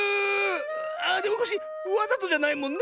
ああでもコッシーわざとじゃないもんね？